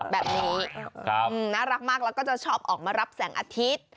แบบนี้น่ารักมากแล้วก็จะชอบออกมารับแสงอาทิตย์